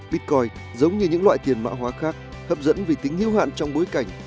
bitcoin giống như những loại tiền mã hóa khác hấp dẫn vì tính hữu hạn trong bối cảnh